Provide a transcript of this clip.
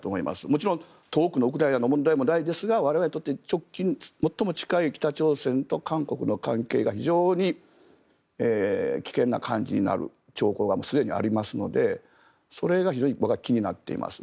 もちろん遠くのウクライナの問題も大事ですが我々にとって直近最も近い北朝鮮と韓国の関係が非常に危険な感じになる兆候がすでにありますのでそれが非常に僕は気になっています。